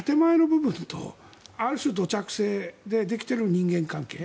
建前の部分と、ある種土着性でできている人間関係。